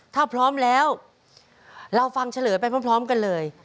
ถ้าพร้อมแล้วเราฟังเฉลยไปพร้อมกันเลย